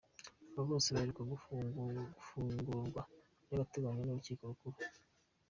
Aba bose baheruka gufungurwa by’agateganyo n’Urukiko Rukuru.